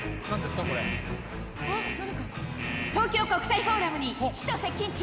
東京国際フォーラムに使徒接近中。